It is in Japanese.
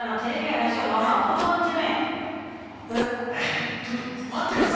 えっちょっと待ってくださいよ！